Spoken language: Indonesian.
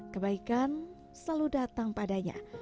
kebaikan selalu datang padanya